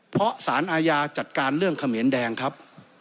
เพราะสารอาญาจัดการเรื่องเขมรแดงครับ